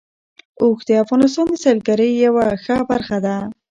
اوښ د افغانستان د سیلګرۍ یوه ښه برخه ده.